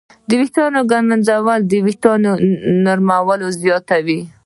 د ویښتانو ږمنځول د وېښتانو نرموالی زیاتوي.